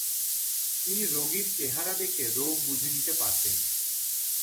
তিনি রোগীর চেহারা দেখে রোগ বুঝে নিতে পারতেন।